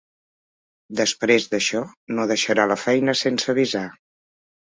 Després d'això no deixarà la feina sense avisar.